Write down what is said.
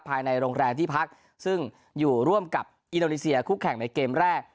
ภายในโรงแรมที่พักซึ่งอยู่ร่วมกับอินโดนีเซียคู่แข่งในเกมแรก